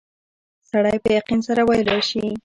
سړی په یقین سره ویلای شي.